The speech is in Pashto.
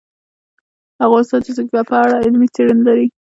افغانستان د جلګه په اړه علمي څېړنې لري.